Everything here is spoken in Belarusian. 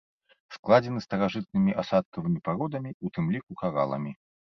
Складзены старажытнымі асадкавымі пародамі, у тым ліку караламі.